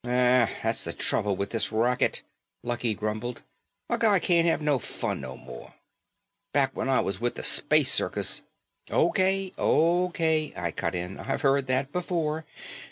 "Aw, that's the trouble with this racket," Lucky grumbled, "a guy can't have no fun no more. Back when I was with the Space circus " "Okay, okay," I cut in, "I've heard that before.